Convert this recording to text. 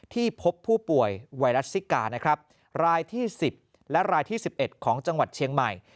ที่พบผู้ป่วยไวรัสซิกานะครับรายที่๑๐และรายที่๑๑ของจังหวัดเชียงใหม่